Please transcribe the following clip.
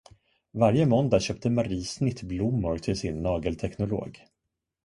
Varje måndag köpte Marie snittblommor till sin nagelteknolog.